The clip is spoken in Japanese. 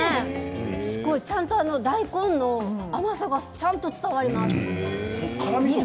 ちゃんと大根の甘さがちゃんと伝わります。